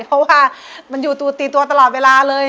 เพราะว่ามันอยู่ตีตัวตลอดเวลาเลย